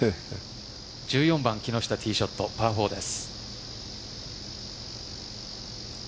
１４番、木下ティーショット、パー４です。